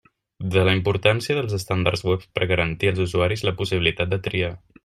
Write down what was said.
De la importància dels estàndards web per garantir als usuaris la possibilitat de triar.